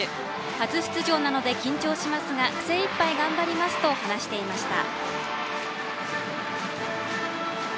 「初出場なので緊張しますが精いっぱい頑張ります」と話していました。